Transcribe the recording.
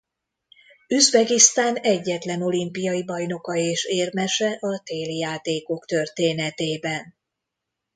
Üzbegisztán egyetlen olimpiai bajnoka és érmese a téli játékok történetében.